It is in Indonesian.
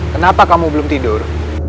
kenapa kamu belum tidur